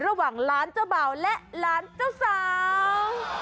ระหว่างล้านเจ้าเปล่าและล้านเจ้าสาว